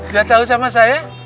udah tau sama saya